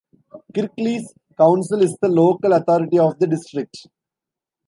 Kirklees Council is the local authority of the district.